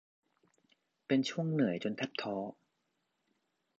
เป็นช่วงเหนื่อยจนแทบท้อ